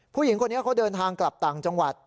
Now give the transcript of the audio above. ผู้หญิงคนนี้เขาเดินทางกลับต่างจังหวัด